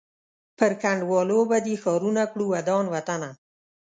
پر کنډوالو به دي ښارونه کړو ودان وطنه